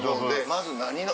まず何が？